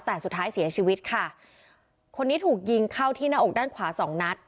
แต่สุดท้ายเสียชีวิตค่ะคนนี้ถูกยิงเข้าที่หน้าอกด้านขวาสองนัด